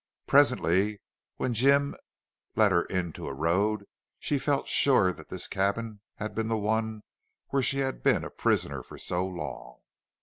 Presently when Jim led her into a road she felt sure that this cabin had been the one where she had been a prisoner for so long.